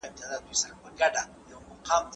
موږ بايد تل رښتيا ووايو.